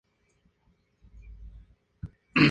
A veces se le añade un sofrito de diversas verduras.